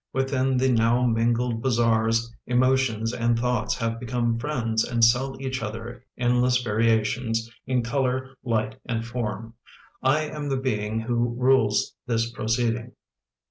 Within the now mingled bazaars emotions and thoughts have become friends and sell each other endless variations in color, light, and form. I am the being who rules this proceeding."